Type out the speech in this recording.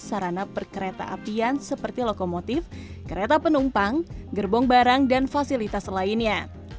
sarana perkereta apian seperti lokomotif kereta penumpang gerbong barang dan fasilitas lainnya